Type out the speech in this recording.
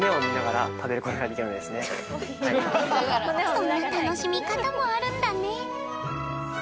そんな楽しみ方もあるんだね。